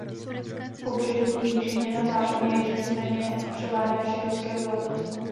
V pobřežní nížině na západní a jižní straně převládá židovské obyvatelstvo.